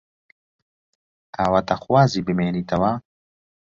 ئاواتەخوازی بمێنیتەوە؟